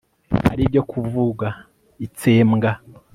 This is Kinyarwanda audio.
ari byo kuvuga itsembwa